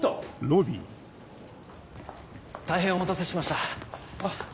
大変お待たせしました。